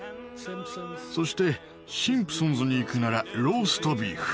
そしてシンプソンズに行くならローストビーフ。